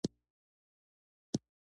زه غواړم له ده سره مباحثه وکړم.